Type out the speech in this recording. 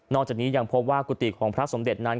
จากนี้ยังพบว่ากุฏิของพระสมเด็จนั้น